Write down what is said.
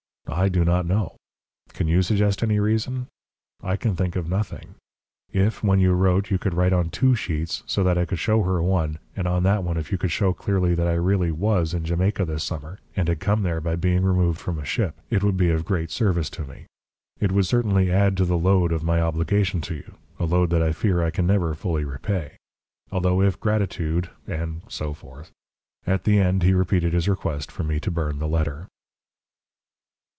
I do not know. Can you suggest any reason? I can think of nothing. If, when you wrote, you could write on TWO sheets so that I could show her one, and on that one if you could show clearly that I really WAS in Jamaica this summer, and had come there by being removed from a ship, it would be of great service to me. It would certainly add to the load of my obligation to you a load that I fear I can never fully repay. Although if gratitude..." And so forth. At the end he repeated his request for me to burn the letter.